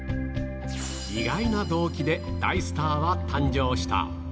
意外な動機で大スターは誕生した。